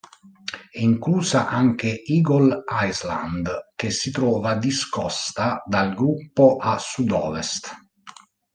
È inclusa anche Eagle Island che si trova discosta dal gruppo, a sud-ovest.